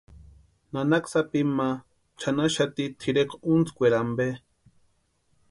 Nanaka sapi ma chʼanaxati tʼirekwa úntskweeri ampe.